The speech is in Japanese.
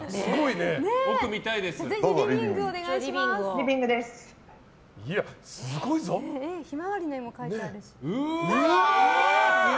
ぜひ、リビングをお願いします。